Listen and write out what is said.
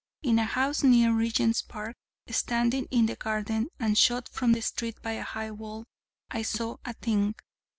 In a house near Regent's Park, standing in a garden, and shut from the street by a high wall, I saw a thing...!